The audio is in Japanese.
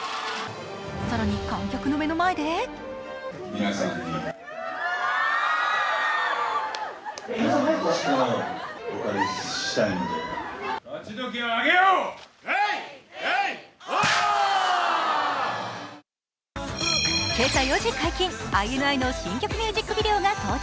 更に観客の目の前で今朝４時解禁、ＩＮＩの新曲ミュージックビデオが到着。